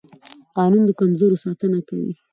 قانون د کمزورو ساتنه کوي